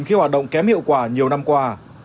khi hoạt động kém hiệu quả nhiều năm qua